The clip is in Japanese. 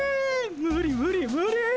無理無理無理！